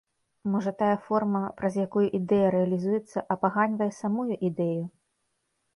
Можа тая форма, праз якую ідэя рэалізуецца, апаганьвае самую ідэю?